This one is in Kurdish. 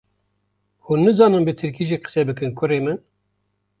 hûn nizanin bi Tirkî jî qisa bikin kurê min